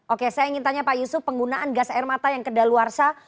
oke saya ingin tanya pak yusuf penggunaan gas air mata yang kedaluarsa